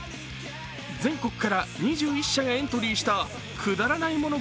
全国から２１社がエントリーしたくだらないもの